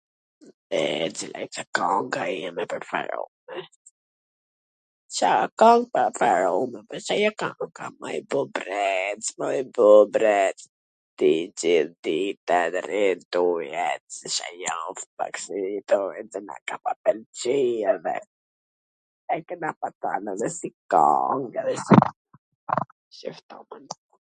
E, cila ishte kanga ime e preferume. Kanga ime e preferume asht ajo kanga Moj bubrrec, moj bubrrec, ti gjith ditwn rrin tuj ec, Ce kjo qw na ka pwlqy edhe e kena pas than edhe si kang edhe si ...